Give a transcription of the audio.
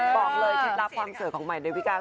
บอกเลยคลิปรับความเสริมของใหม่ดาวิกา